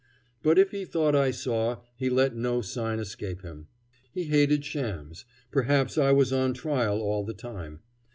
But if he thought I saw, he let no sign escape him. He hated shams; perhaps I was on trial all the time.